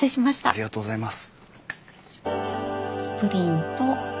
ありがとうございます。